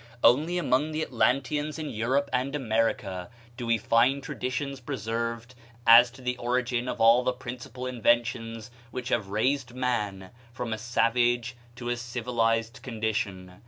Only among the Atlanteans in Europe and America do we find traditions preserved as to the origin of all the principal inventions which have raised man from a savage to a civilized condition.